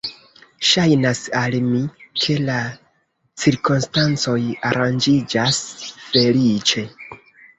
Ŝajnas al mi, ke la cirkonstancoj aranĝiĝas feliĉe.